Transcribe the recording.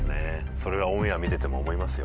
それはオンエア見てても思いますよ。